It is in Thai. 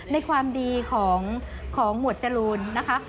ในความดีของหมวดจรูนนะคะ